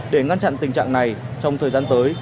để ngăn chặn tình trạng này trong thời gian tới